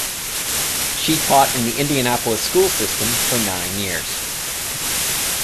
She taught in the Indianapolis School System for nine years.